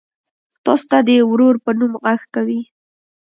تاسو ته د ورور په نوم غږ کوي.